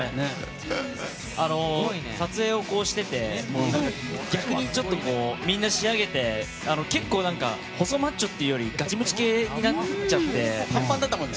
撮影をしてて逆にみんな仕上げて結構、細マッチョというよりガチムチ系になっててパンパンだったよね。